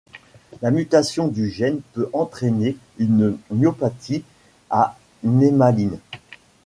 La mutation du gène peut entraîner une myopathie à némaline.